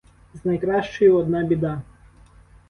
З найкращою одна біда.